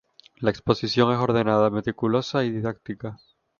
La exposición es ordenada, meticulosa y didáctica.